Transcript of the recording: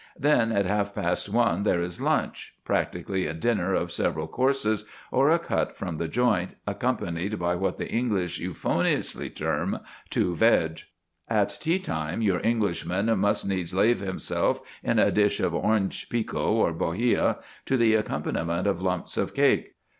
Then at half past one there is lunch, practically a dinner of several courses, or a cut from the joint, accompanied by what the English euphoniously term "two veg." At tea time your Englishman must needs lave himself in a dish of Orange Pekoe or Bohea, to the accompaniment of lumps of cake.